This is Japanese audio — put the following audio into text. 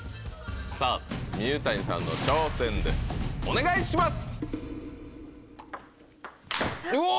さぁ水谷さんの挑戦ですお願いします！